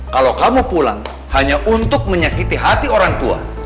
kalau kamu pulang hanya untuk menyakiti hati orang tua